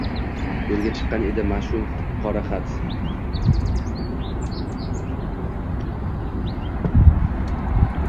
Yo’lga chiqqan edi mash’um qora xat.